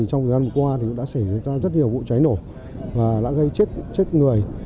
trong ngày hôm qua đã xảy ra rất nhiều vụ cháy nổ và đã gây chết người